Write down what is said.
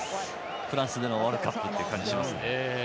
フランスでのワールドカップという感じがしますね。